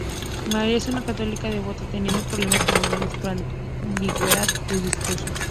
María era una católica devota, teniendo problemas conyugales por la ambigüedad de su esposo.